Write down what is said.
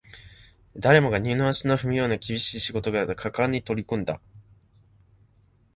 誰もが二の足を踏むような厳しい仕事だが、果敢に取り組んでいた